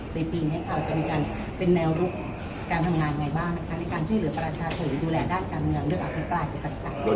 ในปีนี้ครับจะมีมาชื่อยะแนวเราการทำงานนั่นไงบ้าง